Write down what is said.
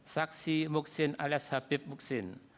saksi muqsin alias habib muqsin